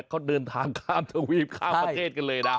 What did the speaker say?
เขาเดินทางข้ามทวีปข้ามประเทศกันเลยนะ